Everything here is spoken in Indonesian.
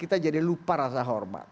kita jadi lupa rasa hormat